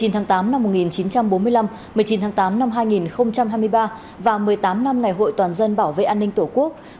một mươi tháng tám năm một nghìn chín trăm bốn mươi năm một mươi chín tháng tám năm hai nghìn hai mươi ba và một mươi tám năm ngày hội toàn dân bảo vệ an ninh tổ quốc